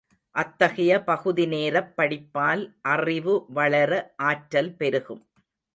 அத்தகைய பகுதிநேரப் படிப்பால் அறிவு வளர, ஆற்றல் பெருகும்.